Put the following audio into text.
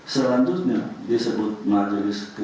selanjutnya disebut majelis kehormatan